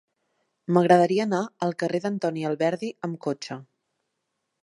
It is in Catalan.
M'agradaria anar al carrer d'Antoni Alberdi amb cotxe.